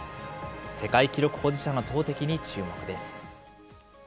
世界記録保持者の投てきに注目です。